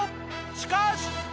しかし。